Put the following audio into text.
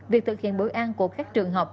việc thực hiện bữa ăn của các trường học